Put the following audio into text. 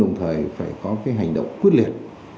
đồng thời phải có cái hành động quyết liệt